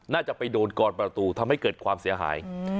น่าจะไปโดนกอนประตูทำให้เกิดความเสียหาย